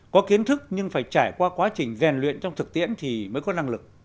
có kiến thức nhưng phải trải qua quá trình rèn luyện trong thực tiễn thì mới có năng lực